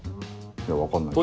いや分かんないけど。